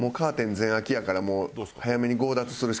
全開きやから早めに強奪するしかない。